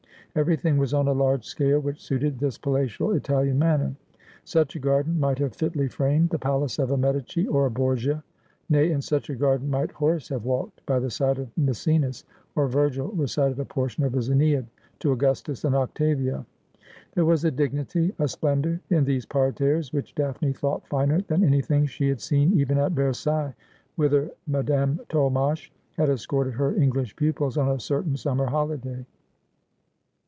Everything was on a large scale, which suited this palatial Italian manner. Such a garden might have fitly framed the palace of a Medici or a Borgia ; nay, in such a garden might Horace have walked by the side of Maecenas, or Virgil recited a portion of his ^neid to Augustus and Octavia. There was a dignity, a splen dour, in these parterres which Daphne thought finer than anything she had seen even at Versailles, whither Madame Tolmache had escorted her English pupils on a certain summer holiday.